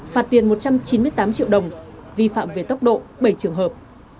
phạt tiền một trăm chín mươi tám triệu đồng vi phạm về tốc độ bảy trường hợp